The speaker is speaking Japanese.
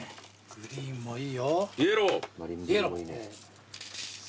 グリーンもいいよ。